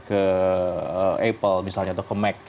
ke apple misalnya atau ke mac